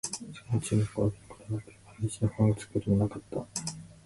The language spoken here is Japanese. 世間の注目を集めることもなければ、熱心なファンがつくこともなかった